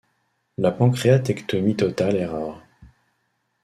La pancréatectomie totale est rare.